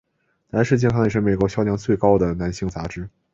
男士健康也是美国销量最高的男性杂志。